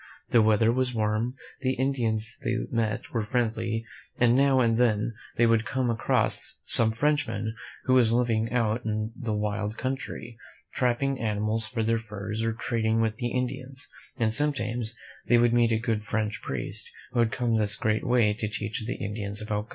The weather was warm, the Indians they met were friendly, and now and then they would come across some Frenchman who was living out in the wild country, trapping animals for their furs or trading with the Indians; and sometimes they would meet a good French priest, who had come this great way to teach the Indians about God, lUIUUlttt ■/■■• V f.